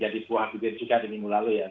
jadi buah bibir juga di minggu lalu ya